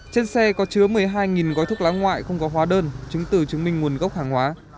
trên xe có chứa một mươi hai gói thuốc lá ngoại không có hóa đơn chứng từ chứng minh nguồn gốc hàng hóa